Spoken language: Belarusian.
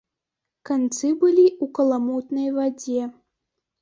Канцы былі ў каламутнай вадзе.